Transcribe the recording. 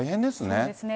そうですね。